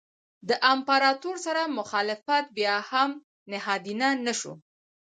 د امپراتور سره مخالفت بیا هم نهادینه نه شو.